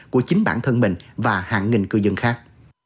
của chính bản thân mình và hàng nghìn cư dân khác